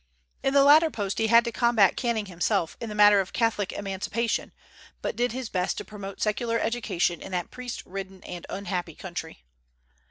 In the latter post he had to combat Canning himself in the matter of Catholic emancipation, but did his best to promote secular education in that priest ridden and unhappy country.